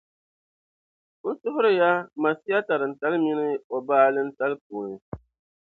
N suhiri ya Masia tarintali min’ o baalintali puuni.